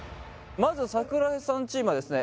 まず櫻井さんチームはですね